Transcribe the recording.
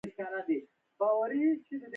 • هغه کسانو، چې نهشوی کولای دنده تر سره کړي.